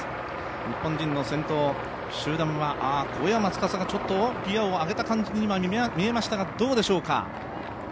日本人の先頭、集団は小山司がギヤを上げた感じに見えましたがどうでしょうか。